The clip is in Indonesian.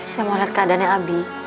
saya mau lihat keadaannya abi